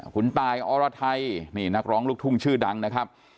คุณตายอรไทยนี่นักร้องลูกทุ่งชื่อดังนะครับ